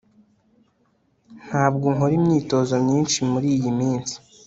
ntabwo nkora imyitozo myinshi muriyi minsi